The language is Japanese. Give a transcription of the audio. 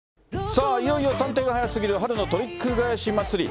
さあ、いよいよ探偵が早すぎる、春のトリック返し祭り。